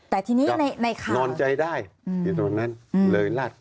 แต่ทีนี้ในข่าวนอนใจได้อยู่ตรงนั้นเลยลาด